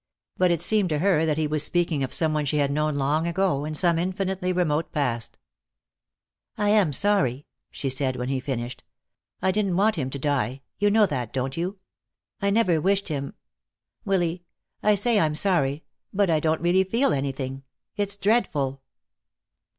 But it seemed to her that he was speaking of some one she had known long ago, in some infinitely remote past. "I am sorry," she said, when he finished. "I didn't want him to die. You know that, don't you? I never wished him Willy, I say I am sorry, but I don't really feel anything. It's dreadful."